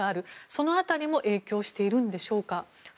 その辺りも影響しているんでしょうか。